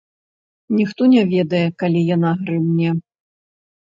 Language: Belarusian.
Ніхто не ведае, калі яна грымне.